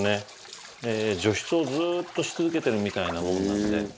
除湿をずっとし続けてるみたいなものなので。